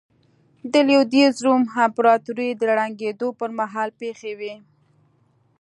د لوېدیځ روم امپراتورۍ د ړنګېدو پرمهال پېښې وې